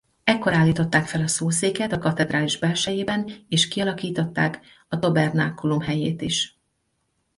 Ekkor állították fel a szószéket a katedrális belsejében és kialakították a tabernákulum helyét is.